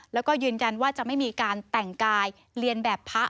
แล้วก็ยืนยันว่าจะไม่มีการแต่งกายเรียนแบบพระ